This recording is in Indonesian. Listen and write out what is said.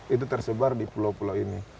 itu tersebar di pulau pulau ini